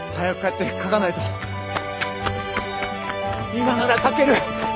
今なら書ける！